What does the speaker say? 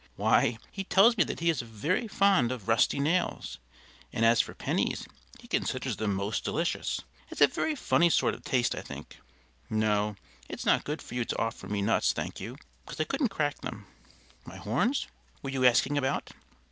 Why, he tells me that he is very fond of rusty nails, and as for pennies he considers them most delicious. It's a very funny sort of taste, I think. No, it's no good for you to offer me nuts, thank you, because I couldn't crack them. My horns, were you asking about?